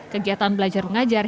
kegiatan belajar mengajar